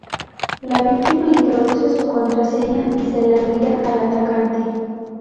La víctima introduce su contraseña y se la envía al atacante.